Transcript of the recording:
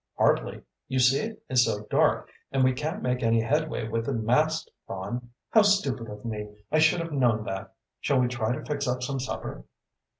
"Hardly. You see it is so dark, and we can't make any headway with the mast gone." "How stupid of me! I should have known that. Shall we try to fix up some supper?"